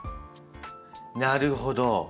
なるほど。